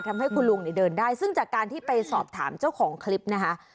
ทำให้คุณลุงเนี่ยเดินได้ซึ่งจากการที่ไปสอบถามเจ้าของคลิปนะคะ